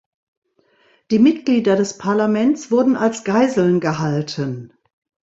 Die Mitglieder des Parlaments wurden als Geiseln gehalten.